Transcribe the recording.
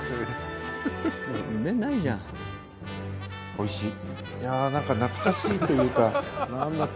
おいしい。